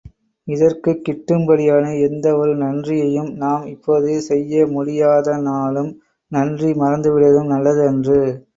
இதற்குக் கிட்டும்படியான எந்த ஒரு நன்றியையும் நாம் இப்போது செய்ய முடியாதானாலும் நன்றி மறந்து விடுவதும் நல்லது அன்று.